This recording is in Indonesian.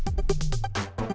kau gak sudah tahu